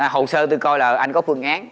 hồ sơ tôi coi là anh có phương án